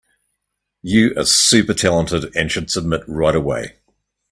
You are super talented and should submit right away.